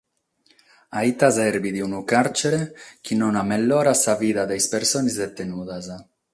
A ite serbit unu càrtzere chi non megiorat sa vida de is persones detenudas?